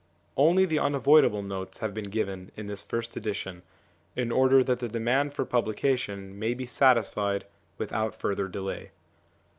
Only the unavoid able notes have been given in this first edition, in order that the demand for publication may be satisfied without further delay.